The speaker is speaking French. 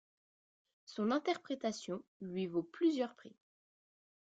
Son interprétation lui vaut plusieurs prix.